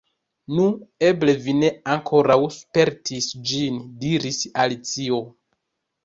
"Nu, eble vi ne ankoraŭ spertis ĝin," diris Alicio.